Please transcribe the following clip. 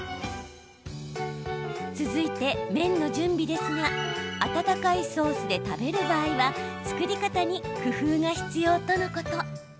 続いて麺の準備ですが温かいソースで食べる場合は作り方に工夫が必要とのこと。